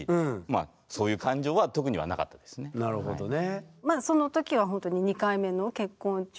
当然なるほどね。